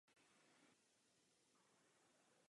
Před koncem vaření se přidá hustá smetana.